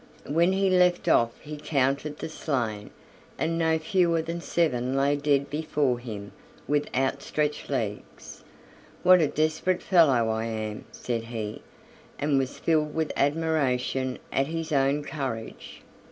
When he left off he counted the slain, and no fewer than seven lay dead before him with outstretched legs. "What a desperate fellow I am!" said he, and was filled with admiration at his own courage.